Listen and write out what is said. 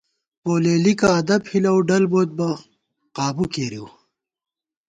پولېلِکہ ادب ہِلَؤ ، ڈل بوت بہ قابُو کېرِؤ